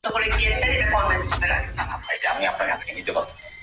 বলতে বলতে সন্দীপের দুই চোখ জ্বলে উঠল।